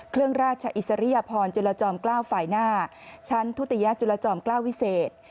เครื่องราชอิสริยพรจุลจอมเกล้าฝ่ายหน้าชั้นทุติยจุลจอมเกล้าวิเศษ